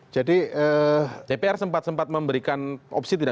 jadi dpr sempat sempat memberikan opsi tidak